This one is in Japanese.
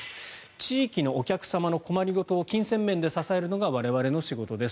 地域のお客様の困り事を金銭面で支えるのが我々の仕事です